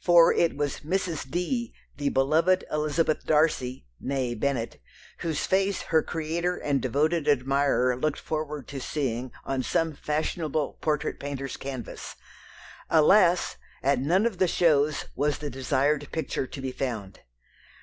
For it was "Mrs. D." the beloved Elizabeth Darcy (née Bennet), whose face her creator and devoted admirer looked forward to seeing on some fashionable portrait painter's canvas. Alas! at none of the shows was the desired picture to be found.